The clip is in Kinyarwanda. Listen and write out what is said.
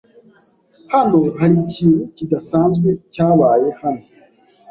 Hano hari ikintu kidasanzwe cyabaye hano.